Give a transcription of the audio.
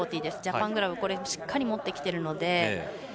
ジャパングラブしっかり持ってきているので。